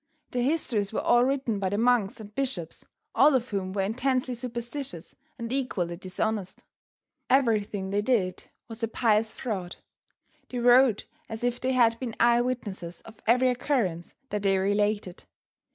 The histories were all written by the monks and bishops, all of whom were intensely superstitious, and equally dishonest. Everything they did was a pious fraud. They wrote as if they had been eye witnesses of every occurrence that they related.